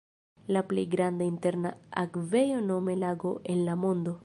La plej granda interna akvejo nome lago en la mondo.